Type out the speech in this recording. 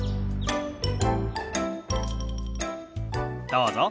どうぞ。